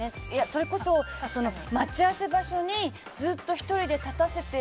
それこそ、待ち合わせ場所にずっと１人で立たせて。